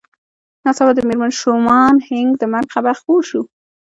ناڅاپه د مېرمن شومان هينک د مرګ خبر خپور شو